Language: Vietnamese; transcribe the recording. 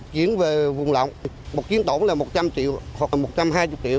chuyển về vùng lọng một chiến tổn là một trăm linh triệu hoặc một trăm hai mươi triệu